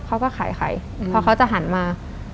เขาก็ขายเพราะเขาจะหันมา